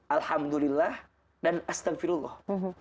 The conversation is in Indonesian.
alhamdulillah dan astagfirullah